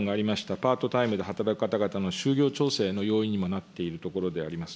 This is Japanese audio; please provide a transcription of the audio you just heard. パートタイムで働く方々の就業調整の要因にもなっているところでもあります。